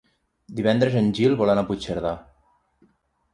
Divendres en Gil vol anar a Puigcerdà.